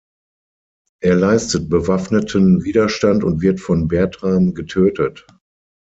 Er leistet bewaffneten Widerstand und wird von Bertram getötet.